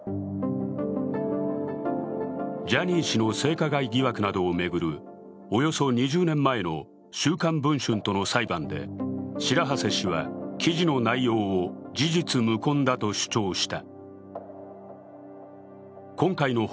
ジャニー氏の性加害疑惑などを巡るおよそ２０年前の「週刊文春」との裁判で白波瀬氏は記事の内容を事実無根だと主張した。